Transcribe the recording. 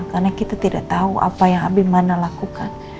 karena kita tidak tahu apa yang abimane lakukan